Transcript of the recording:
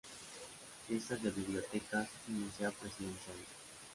Lista de Bibliotecas y Museo Presidenciales